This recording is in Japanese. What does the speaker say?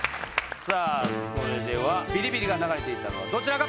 それではビリビリが流れていたのはどちらか。